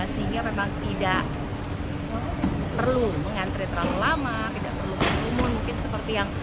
sehingga memang tidak perlu mengantri terlalu lama tidak perlu berkerumun mungkin seperti yang